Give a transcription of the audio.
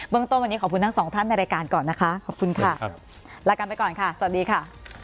ต้นวันนี้ขอบคุณทั้งสองท่านในรายการก่อนนะคะขอบคุณค่ะลากันไปก่อนค่ะสวัสดีค่ะ